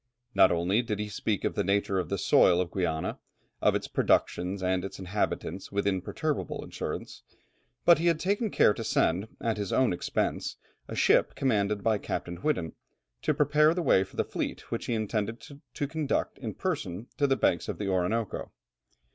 Not only did he speak of the nature of the soil of Guiana, of its productions, and its inhabitants with imperturbable assurance, but he had taken care to send, at his own expense, a ship commanded by Captain Whiddon, to prepare the way for the fleet which he intended to conduct in person to the banks of the Orinoco.